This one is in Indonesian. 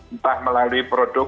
entah melalui produk